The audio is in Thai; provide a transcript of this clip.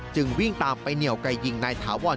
จึงวิ่งตามไปเหนียวไก่ยิงนายถาวร